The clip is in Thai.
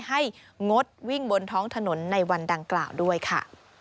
งดวิ่งบนท้องถนนในวันดังกล่าวด้วยค่ะ